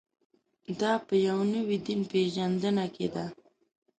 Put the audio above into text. دا په نوې دین پېژندنه کې ده.